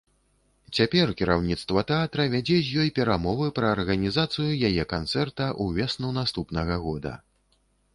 Цяпер кіраўніцтва тэатра вядзе з ёй перамовы пра арганізацыю яе канцэрта ўвесну наступнага года.